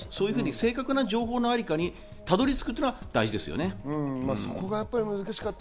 正確な情報のありかにたどり着くということが大事ですね。